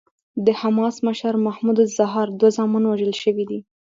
د حماس مشر محمود الزهار دوه زامن وژل شوي دي.